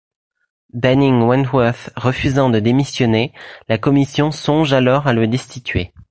Benning Wentworth refusant de démissionner, la commission songe alors à le destituer.